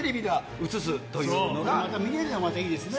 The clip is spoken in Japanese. まだ見れるのがいいですよね。